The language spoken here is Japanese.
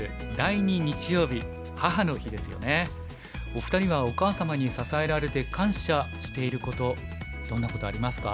お二人はお母様に支えられて感謝していることどんなことありますか？